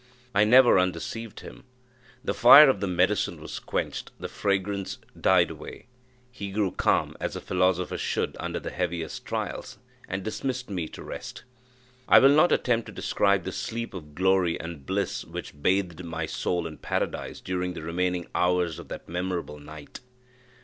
I never undeceived him. The fire of the medicine was quenched the fragrance died away he grew calm, as a philosopher should under the heaviest trials, and dismissed me to rest. I will not attempt to describe the sleep of glory and bliss which bathed my soul in paradise during the remaining hours of that memorable night.